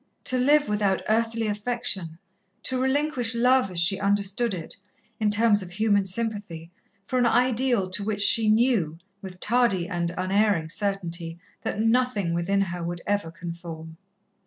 To live without earthly affection, to relinquish love as she understood it, in terms of human sympathy, for an ideal to which she knew, with tardy and unerring certainty, that nothing within her would ever conform.